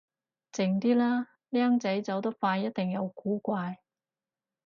靜啲啦，僆仔走得快一定有古怪